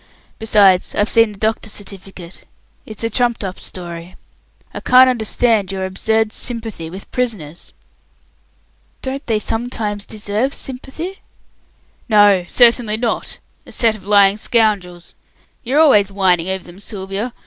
Besides, I've seen the doctor's certificate. It's a trumped up story. I can't understand your absurd sympathy with prisoners." "Don't they sometimes deserve sympathy?" "No, certainly not a set of lying scoundrels. You are always whining over them, Sylvia.